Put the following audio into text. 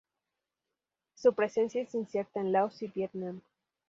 Su presencia es incierta en Laos y Vietnam.